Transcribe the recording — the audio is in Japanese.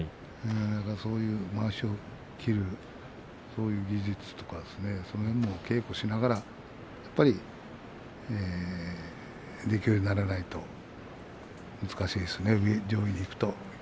そういう、まわしを切るそういう技術とかその辺も稽古しながらやはりできるようにならないと難しいですね。